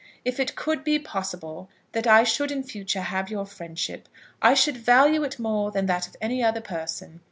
If it could be possible that I should in future have your friendship, I should value it more than that of any other person.